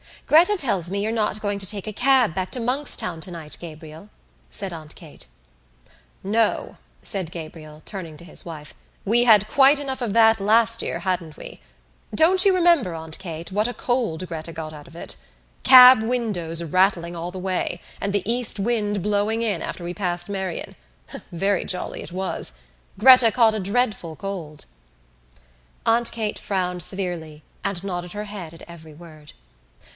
"Gretta tells me you're not going to take a cab back to Monkstown tonight, Gabriel," said Aunt Kate. "No," said Gabriel, turning to his wife, "we had quite enough of that last year, hadn't we? Don't you remember, Aunt Kate, what a cold Gretta got out of it? Cab windows rattling all the way, and the east wind blowing in after we passed Merrion. Very jolly it was. Gretta caught a dreadful cold." Aunt Kate frowned severely and nodded her head at every word.